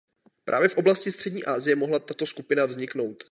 Právě v oblasti střední Asie mohla tato skupina vzniknout.